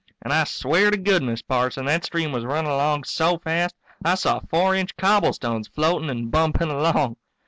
And I swear to goodness, Parson, that stream was running along so fast I saw four inch cobblestones floating and bumping along.